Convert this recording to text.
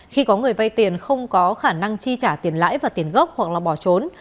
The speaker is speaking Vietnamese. khi có người vay tiền không có khả năng chi trả tiền lãi và tiền gốc hoặc là bỏ trốn